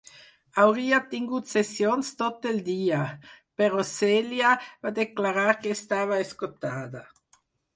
Hauria tingut sessions tot el dia, però Celia va declarar que estava esgotada.